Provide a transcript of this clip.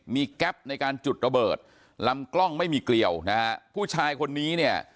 มีแก๊ปในการจุดระเบิดลำกล้องไม่มีเกลียวนะฮะผู้ชายคนนี้เนี่ย